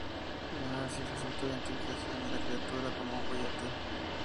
El análisis resultó en la identificación de la criatura como un coyote.